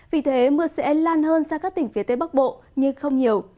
vì thế mưa sẽ lan hơn ra các tỉnh phía tây bắc bộ nhưng không nhiều